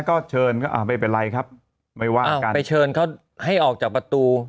ก็เชิญก็อ่าไม่เป็นไรครับไม่ว่ากันไปเชิญเขาให้ออกจากประตู